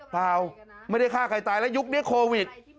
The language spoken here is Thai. เปล่าไม่ได้ฆ่าใครตายแล้วยุคนี้โควิด